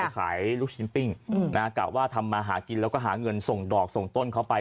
ขายลูกชิ้นปิ้งกะว่าทำมาหากินแล้วก็หาเงินส่งดอกส่งต้นเขาไป